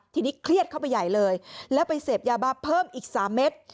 ทีนี้เครียดเข้าไปใหญ่เลยแล้วไปเสพยาบ้าเพิ่มอีก๓เม็ด